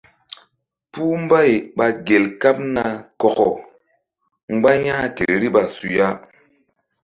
Puh mbay ɓa gel kaɓ na kɔkɔ mgba ya̧h ke riɓa suya.